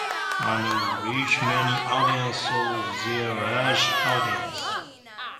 And would reach many audiences through their large audiences.